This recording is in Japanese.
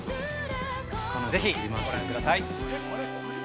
ぜひ、ご覧ください。